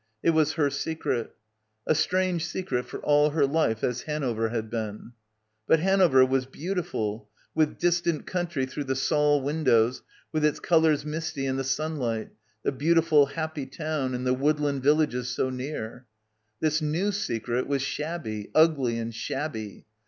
It was her secret. A strange secret for all her life as Hanover had been. But Hanover was beautiful, with distant country through the saal windows with its colours misty in the sunlight, the beauti ful, happy town and the woodland villages so near. This new secret was shabby, ugly and shabby.